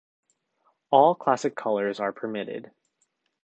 All classic colours are permitted.